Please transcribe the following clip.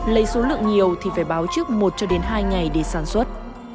lấy số lượng nhiều thì phải báo trước một hai ngày để sản xuất